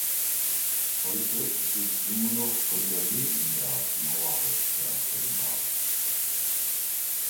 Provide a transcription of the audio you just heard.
Heute sind nur noch von der "Lindenberg" Mauerreste erkennbar.